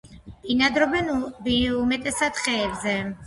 ბინადრობენ უმეტესად ხეებზე.